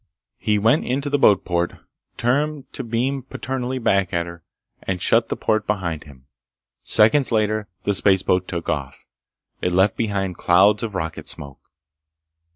He went into the boatport, turned to beam paternally back at her, and shut the port behind him. Seconds later the spaceboat took off. It left behind clouds of rocket smoke.